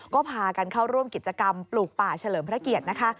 ก็พากันเข้าร่วมกิจกรรมปลูกป่าเฉลิมพระเกียรตินะคะ